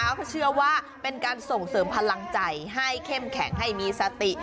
เขาเชื่อว่าเป็นการส่งเสริมพลังใจให้เข้มแข็งให้มีสติ